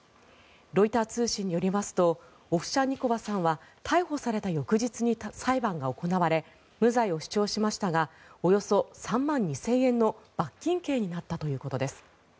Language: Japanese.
ロイター通信によりますとオフシャンニコワさんは逮捕された翌日に裁判が行われ無罪を主張しましたがおよそ３万２０００円の罰金刑になったということです。